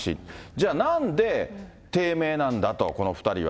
じゃあ、なんで低迷なんだと、この２人は。